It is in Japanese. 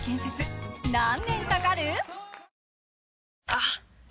あっ！